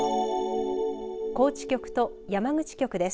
高知局と山口局です。